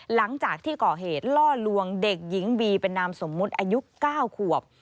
หลังจากที่ก่อเหตุล่อลวงเด็กหญิงบีเป็นนามสมมุติอายุ๙ขวบ